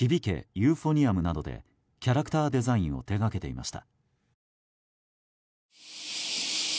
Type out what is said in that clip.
ユーフォニアム」などでキャラクターデザインを手掛けていました。